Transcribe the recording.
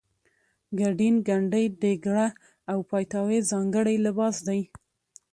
ګدین ګنډۍ ډیګره او پایتاوې ځانګړی لباس دی.